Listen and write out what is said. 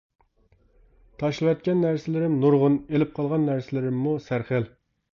تاشلىۋەتكەن نەرسىلىرىم نۇرغۇن، ئېلىپ قالغان نەرسىلىرىمۇ سەرخىل.